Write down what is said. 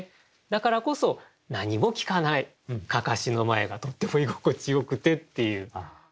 だからこそ何も訊かない案山子の前がとっても居心地よくてっていう。